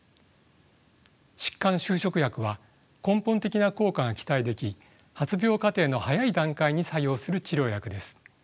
疾患修飾薬は根本的な効果が期待でき発病過程の早い段階に作用する治療薬です。